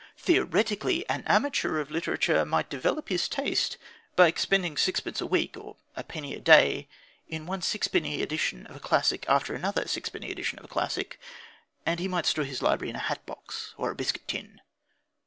Theoretically, an amateur of literature might develop his taste by expending sixpence a week, or a penny a day, in one sixpenny edition of a classic after another sixpenny edition of a classic, and he might store his library in a hat box or a biscuit tin.